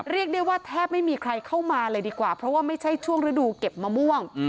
เรียกได้ว่าแทบไม่มีใครเข้ามาเลยดีกว่าเพราะว่าไม่ใช่ช่วงฤดูเก็บมะม่วง